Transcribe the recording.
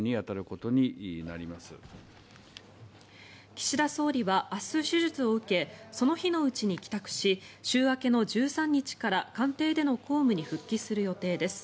岸田総理は、明日手術を受けその日のうちに帰宅し週明けの１３日から官邸での公務に復帰する予定です。